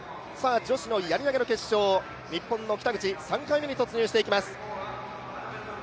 女子のやり投の決勝、日本の北口３回目に突入していきます。